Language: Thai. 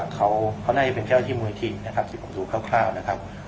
เขาเขาน่าจะเป็นเจ้าที่มูลทิศนะครับสิ่งผมดูคร่าวคร่าวนะครับ